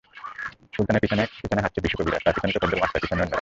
সুলতানের পেছনে পেছনে হাঁটছে বিশু কবিরাজ, তার পেছনে তোফাজ্জল মাস্টার, পেছনে অন্যরা।